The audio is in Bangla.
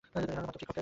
একজন মদ্যপ শিক্ষকের।